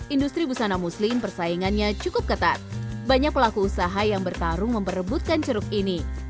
industri busana muslim persaingannya cukup ketat banyak pelaku usaha yang bertarung memperebutkan ceruk ini